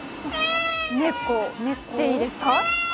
猫でいいですか？